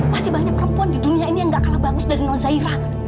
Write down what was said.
masih banyak perempuan di dunia ini yang gak kalah bagus dari non zairah